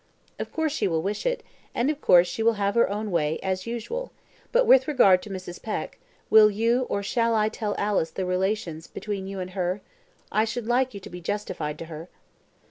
"Of course she will wish it, and of course she will have her own way, as usual; but with regard to Mrs. Peck, will you or shall I tell Alice the relation between you and her? I should like you to be justified to her."